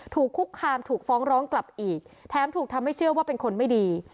ถูกคุกคามถูกฟ้องร้องกลับอีกแถมถูกทำให้เชื่อว่าเป็นคนไม่ดี